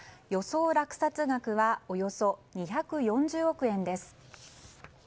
予想落札額はおよそ２４０億円です。